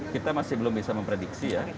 kita masih belum bisa memprediksi ya